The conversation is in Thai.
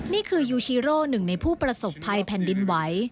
นี่คือยูชีโร่หนึ่งในผู้ประสบภัยแผ่นดินไหว